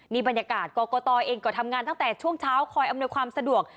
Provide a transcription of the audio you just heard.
นี่บรรยากาศกรกตเองก็ทำงานตั้งแต่ช่วงเช้าคอยอำนวยความสะดวก